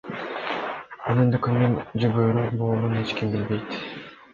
Анын документ же буйрук болорун эч ким билбейт.